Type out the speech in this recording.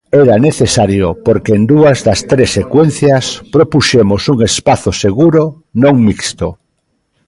Era necesario porque en dúas das tres secuencias propuxemos un espazo seguro non mixto.